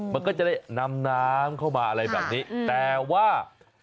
มันก็จะได้นำน้ำเข้ามาอะไรแบบนี้แต่ว่า